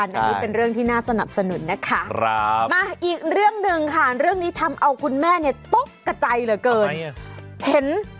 อันนี้เป็นเรื่องที่น่าสนับสนุนนะคะมาอีกเรื่องหนึ่งค่ะเรื่องนี้ทำเอาคุณแม่เนี่ยตกกระจายเหลือเกินเห็น